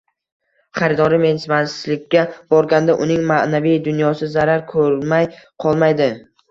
xaridorni mensimaslikka borganda uning maʼnaviy dunyosi zarar ko‘rmay qolmaydi.